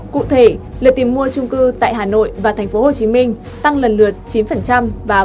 cụ thể lượt tìm mua trung cư tại hà nội và tp hcm tăng lần lượt chín và bốn